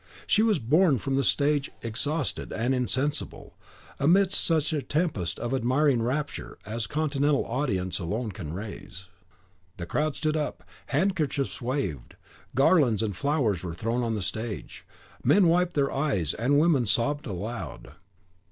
She was borne from the stage exhausted and insensible, amidst such a tempest of admiring rapture as Continental audiences alone can raise. The crowd stood up, handkerchiefs waved, garlands and flowers were thrown on the stage, men wiped their eyes, and women sobbed aloud.